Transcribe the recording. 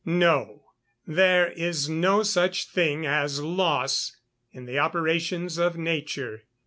_ No; there is no such thing as "loss" in the operations of nature.